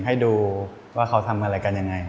ให้ดูว่าเขาทำอะไรกันยังไง